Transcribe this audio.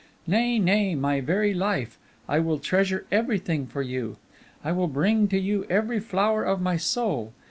Nay, nay, my very life, I will treasure everything for you; I will bring to you every flower of my soul.